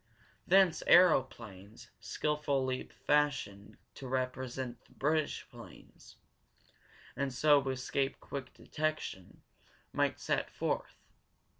Thence aeroplanes, skillfully fashioned to represent the British planes, and so escape quick detection, might set forth.